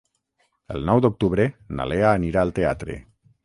El nou d'octubre na Lea anirà al teatre.